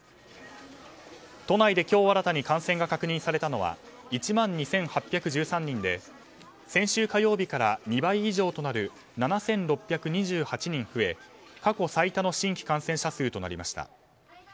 都内で今日新たに感染が確認されたのは１万２８１３人で先週火曜日から２倍以上となる７６２８人増え過去最多の新規感染者数となりました。